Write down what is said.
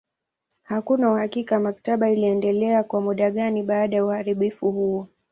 Hakuna uhakika maktaba iliendelea kwa muda gani baada ya uharibifu huo.